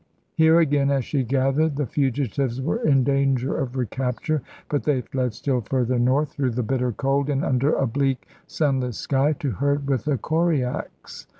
Here again, as she gathered, the fugitives were in danger of recapture; but they fled still further north through the bitter cold, and under a bleak sunless sky, to herd with the Koriaks.